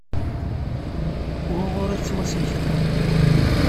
Wuɣur i tettwasnekdeḍ?